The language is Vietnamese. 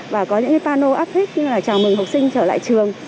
và có những cái panel upviz như là chào mừng học sinh trở lại trường